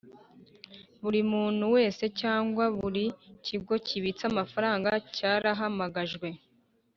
Buri muntu wese cyangwa buri kigo kibitse amafaranga cyarahamagajwe